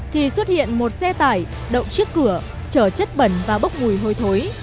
thì xuất hiện một xe tải động chiếc cửa trở chất bẩn và bốc mùi hôi thối